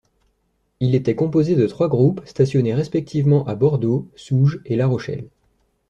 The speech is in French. Il était composé de trois groupes stationnés respectivement à Bordeaux, Souge et La Rochelle.